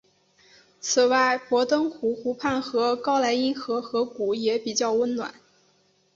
此外博登湖湖畔和高莱茵河河谷也比较温暖。